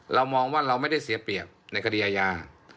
เรามองว่าเราไม่ได้เสียเปรียบในคดีอาญา